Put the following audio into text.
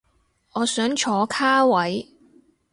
我想坐卡位